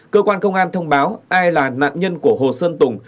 cơ quan công an thông báo ai là nạn nhân của hồ sơn tùng